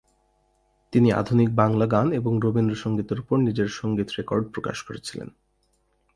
তিনি আধুনিক বাংলা গান এবং রবীন্দ্র সঙ্গীতের উপর নিজের সঙ্গীত রেকর্ড প্রকাশ করেছিলেন।